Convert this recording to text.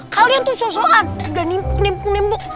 kalian tuh so soan udah nimbuk nimbuk